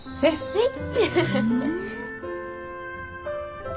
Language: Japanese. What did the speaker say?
はい。